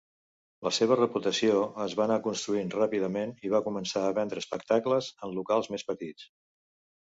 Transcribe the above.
La seva reputació es va anar construint ràpidament i va començar a vendre espectacles en locals més petits